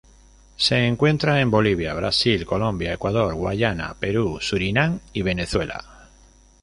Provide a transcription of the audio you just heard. Se encuentra en Bolivia, Brasil, Colombia, Ecuador, Guayana, Perú Surinam y Venezuela